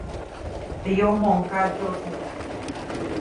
Teʼ yomoʼuŋ kaʼtsyotsu.